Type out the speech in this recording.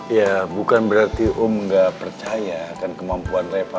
ya bukan berarti om gak percaya kemampuan reva